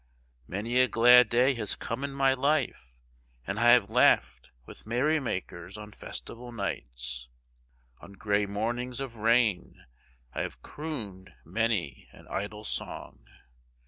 Many a glad day has come in my life, and I have laughed with merrymakers on festival nights. On grey mornings of rain I have crooned many an idle song.